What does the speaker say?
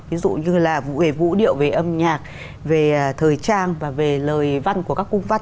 ví dụ như là về vũ điệu về âm nhạc về thời trang và về lời văn của các cung văn